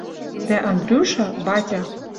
Дӓ «Андрюша» — батя